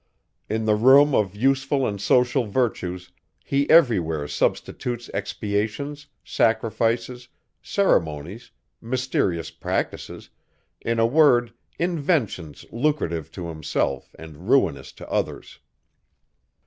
In the room of useful and social virtues, he everywhere substitutes expiations, sacrifices, ceremonies, mysterious practices, in a word, inventions lucrative to himself and ruinous to others.